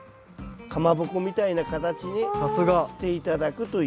かまぼこみたいな形にして頂くという。